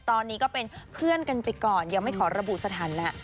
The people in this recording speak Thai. ตอนนี้ก็เป็นเพื่อนกันไปก่อนยังไม่ขอระบุสถานะ